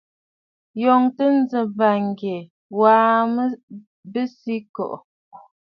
Ǹyòŋtə njɨm bàŋgyɛ̀, Ŋ̀gwaa Besǐkɔ̀ʼɔ̀.